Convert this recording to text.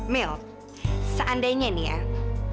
mil seandainya nih al